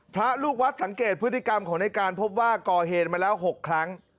พระลูกวัดสังเกตพฤติกรรมของในการพบว่าก่อเหตุมาแล้ว๖ครั้ง